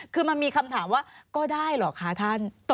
คือมันมีคำถามว่าก็ได้เหรอคะท่าน